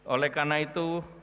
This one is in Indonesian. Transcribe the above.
oleh karena itu